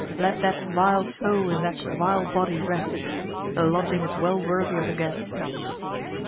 Let that vile soul in that vile body rest; The lodging is well worthy of the guest.